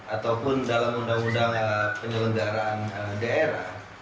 ataupun dalam undang undang penyelenggaraan daerah